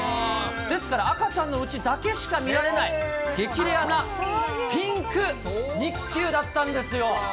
ですから赤ちゃんのうちだけしか見られない、激レアなピンク肉球だったんですよ。